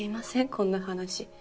こんな話。